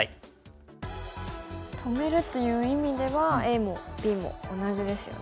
止めるという意味ではＡもＢも同じですよね。